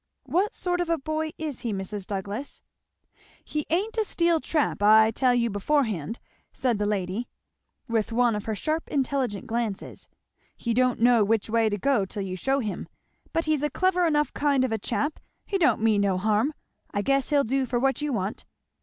"What sort of a boy is he, Mrs. Douglass?" "He ain't a steel trap. I tell you beforehand," said the lady, with one of her sharp intelligent glances, "he don't know which way to go till you shew him; but he's a clever enough kind of a chap he don't mean no harm. I guess he'll do for what you want."